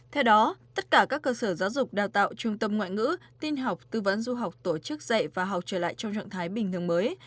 theo đó tất cả các cơ sở giáo dục đào tạo trung tâm ngoại ngữ tin học tư vấn du học tổ chức dạy và học trở lại trong trạng thái bình thường mới